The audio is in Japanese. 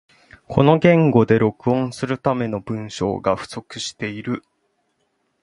この言語で録音するための文章が不足している